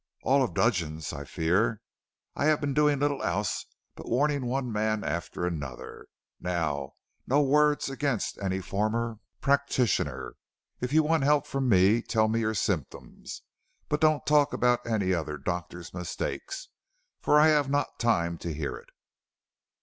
"All of Dudgeon's, I fear. I have been doing little else but warning one man after another: 'Now, no words against any former practitioner. If you want help from me, tell me your symptoms, but don't talk about any other doctor's mistakes, for I have not time to hear it.'"